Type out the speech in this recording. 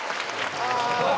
「ああ！」